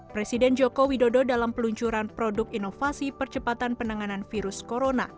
presiden joko widodo dalam peluncuran produk inovasi percepatan penanganan virus corona